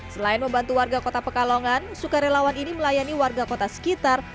selain membantu warga kota pekalongan sukarelawan ini melayani warga kota sekitar